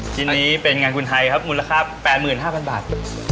ชิ้นนี้เป็นงานคุณไทยครับมูลค่า๘๕๐๐บาท